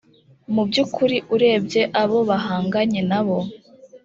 “Mu by’ukuri urebye abo bahanganye nabo